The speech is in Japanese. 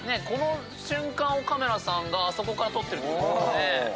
この瞬間をカメラさんがあそこから撮ってると。